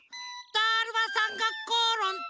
「だるまさんがころんだ！」